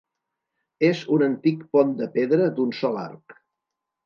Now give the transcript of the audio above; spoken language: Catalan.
És un antic pont de pedra d'un sòl arc.